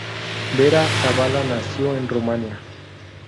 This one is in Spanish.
Vera-Zavala nació en Rumania.